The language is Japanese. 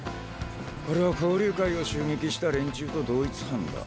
これは交流会を襲撃した連中と同一犯だ。